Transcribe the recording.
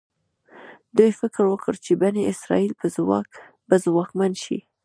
دوی فکر وکړ چې بني اسرایل به ځواکمن شي.